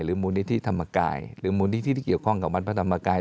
มูลนิธิธรรมกายหรือมูลนิธิที่เกี่ยวข้องกับวัดพระธรรมกาย